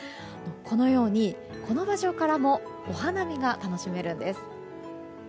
このように、この場所からもお花見が楽しめるんです。